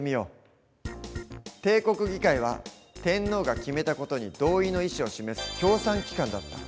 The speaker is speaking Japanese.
帝国議会は天皇が決めた事に同意の意思を示す協賛機関だった。